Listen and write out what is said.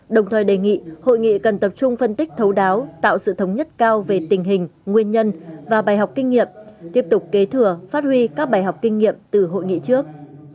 đồng thời đề nghị hội nghị cần tập trung phân tích thấu đáo tạo sự thống nhất cao về tình hình nguyên nhân và bài học kinh nghiệm tiếp tục kế thừa phát huy các bài học kinh nghiệm từ hội nghị trước